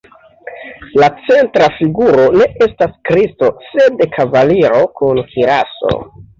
La centra figuro ne estas Kristo sed kavaliro kun kiraso.